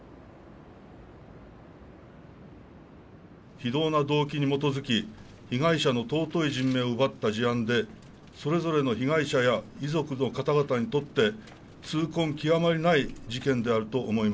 非道な動機に基づき被害者の尊い人命を奪った事案でそれぞれの被害者や遺族の方々にとって痛恨極まりない事件であると思います。